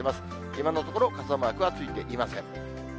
今のところ、傘マークはついていません。